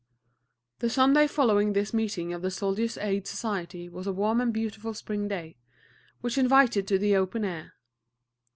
The Sunday following this meeting of the Soldiers' Aid Society was a warm and beautiful spring day, which invited to the open air.